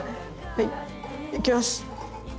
はいいきます。